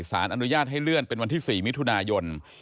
สารอนุญาตให้เลื่อนเป็นวันที่๔มิถุนายน